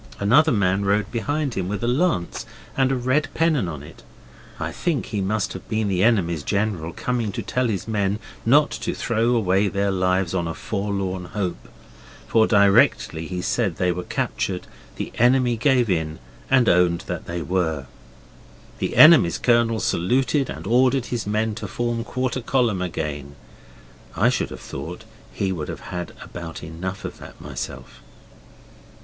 Another man rode behind him with a lance and a red pennon on it. I think he must have been the enemy's General coming to tell his men not to throw away their lives on a forlorn hope, for directly he said they were captured the enemy gave in and owned that they were. The enemy's Colonel saluted and ordered his men to form quarter column again. I should have thought he would have had about enough of that myself.